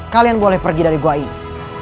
kalian boleh pergi dari gua ini